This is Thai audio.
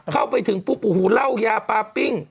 เข้าไปถึงปุ๊บโอ้โหเหล้ายาปลาปิ้ง